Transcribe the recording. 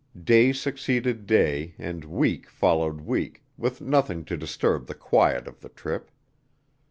Day succeeded day, and week followed week, with nothing to disturb the quiet of the trip.